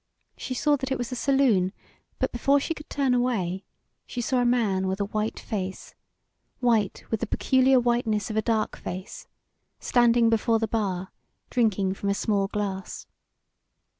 She saw that it was a saloon, but before she could turn away she saw a man with a white face white with the peculiar whiteness of a dark face, standing before the bar drinking from a small glass.